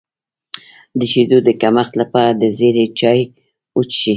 د شیدو د کمښت لپاره د زیرې چای وڅښئ